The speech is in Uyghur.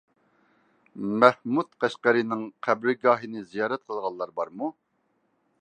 مەھمۇد قەشقەرىنىڭ قەبرىگاھىنى زىيارەت قىلغانلار بارمۇ؟